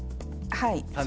はい。